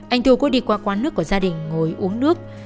anh thu cũng đi qua quán nước của gia đình ngồi uống nước